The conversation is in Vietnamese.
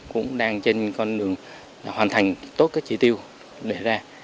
cũng đang trên con đường hoàn thành tốt các trị tiêu để ra